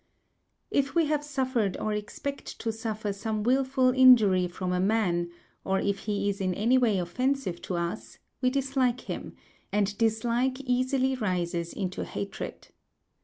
If we have suffered or expect to suffer some wilful injury from a man, or if he is in any way offensive to us, we dislike him; and dislike easily rises into hatred.